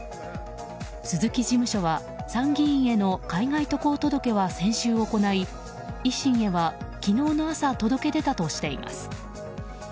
鈴木事務所は参議院への海外渡航届は先週行い、維新へは昨日の朝、届け出たとしています。